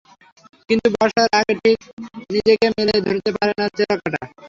কিন্তু বর্ষার আগে ঠিক নিজেকে মেলে ধরতে পারে না চোরকাঁটা।